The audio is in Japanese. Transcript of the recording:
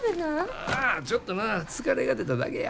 ああちょっとな疲れが出ただけや。